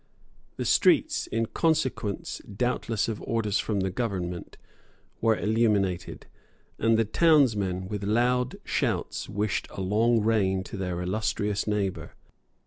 The streets, in consequence doubtless of orders from the government, were illuminated; and the townsmen with loud shouts wished a long reign to their illustrious neighbour.